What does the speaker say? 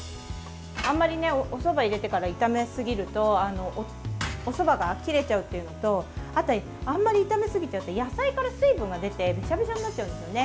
あんまり、おそばを入れてから炒めすぎるとおそばが切れちゃうっていうのとあとはあんまり炒めすぎちゃうと野菜から水分が出てびちゃびちゃになっちゃうんですよね。